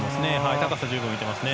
高さは十分出ていますね。